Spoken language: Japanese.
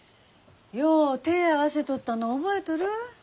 よう手ぇ合わせとったの覚えとる？